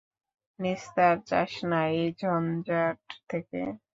নিস্তার চাস না এই ঝঞ্ঝাট থেকে?